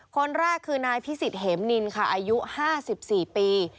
คนแรกคือนายพิสิทธิเหมนินค่ะอายุ๕๔ปี